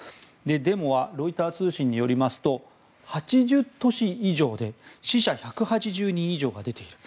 デモはロイター通信によりますと８０都市以上で死者１８０人以上が出ている。